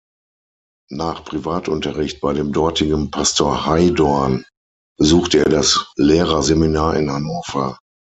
Nach Privatunterricht bei dem dortigen Pastor Heydorn besuchte er das Lehrerseminar in Hannover.